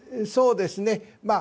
そうですね。